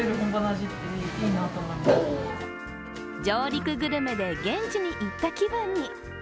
上陸グルメで現地に行った気分に。